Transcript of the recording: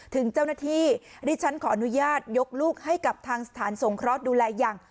ถึงเจ้าหน้าที่ดิฉันขออนุญาตยกลูกให้กับทางสถานสงเคราะห์ดูแลอย่าง